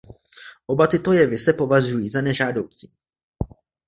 Oba tyto jevy se považují za nežádoucí.